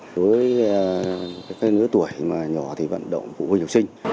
đối với các người tuổi mà nhỏ thì vận động phụ huynh học sinh